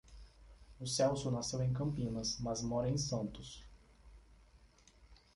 O Celso nasceu em Campinas, mas mora em Santos.